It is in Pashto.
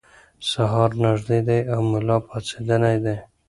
سهار نږدې دی او ملا پاڅېدلی دی.